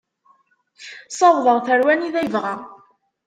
Ssawḍeɣ-t ar wanida yebɣa.